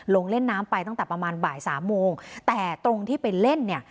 ลงเล่นน้ำไปตั้งแต่ประมาณบ่ายสามโมงแต่ตรงที่ไปเล่นเนี่ย